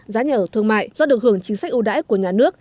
giá nhà ở thương mại do được hưởng chính sách ưu đãi của nhà nước